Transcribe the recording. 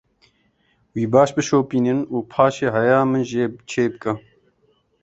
Wî baş bişopînin û paşê hayê min jê çêbike.